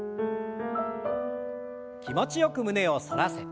気持ちよく胸を反らせて。